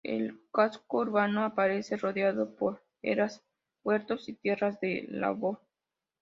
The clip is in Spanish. El casco urbano aparece rodeado por eras, huertos y tierras de labor.